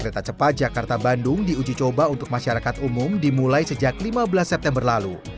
kereta cepat jakarta bandung diuji coba untuk masyarakat umum dimulai sejak lima belas september lalu